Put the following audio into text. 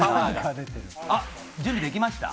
あっ、準備できました？